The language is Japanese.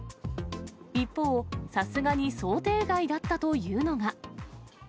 一方、さすがに想定外だったというのが。